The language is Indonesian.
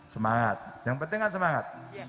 semangat yang penting kan semangat